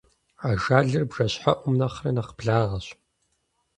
Ажалыр бжэщхьэӀум нэхърэ нэхь благъэщ.